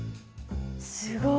すごい。